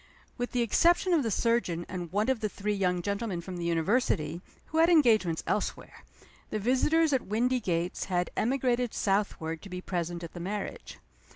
With the exception of the surgeon and one of the three young gentlemen from the University, who had engagements elsewhere, the visitors at Windygates had emigrated southward to be present at the marriage.